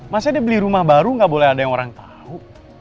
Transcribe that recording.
masa dia beli rumah baru nggak boleh ada yang orang tahu